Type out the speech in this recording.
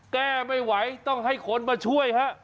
แก้ไม่ไหวต้องให้คนมาช่วยฮะ